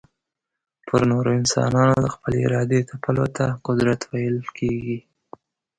پر نورو انسانانو د خپلي ارادې تپلو ته قدرت ويل کېږي.